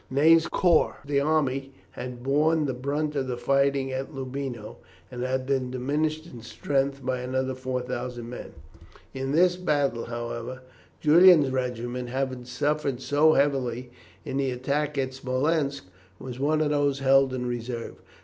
Ney's corps d'armée had borne the brunt of the fighting at Loubino, and had been diminished in strength by another 4000 men. In this battle, however, Julian's regiment, having suffered so heavily in the attack at Smolensk, was one of those held in reserve.